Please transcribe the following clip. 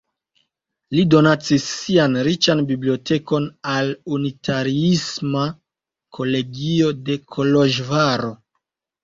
Li donacis sian riĉan bibliotekon al unitariisma kolegio de Koloĵvaro.